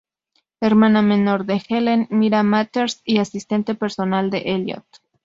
Hermana menor de Ellen Mira Mathers y asistente personal de Elliot.